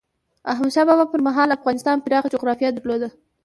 احمد شاه بابا پر مهال افغانستان پراخه جغرافیه درلوده.